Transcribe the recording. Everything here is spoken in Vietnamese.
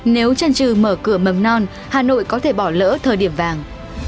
nếu chân trừ mở cửa mầm non hà nội có thể bỏ lỡ thời điểm vàng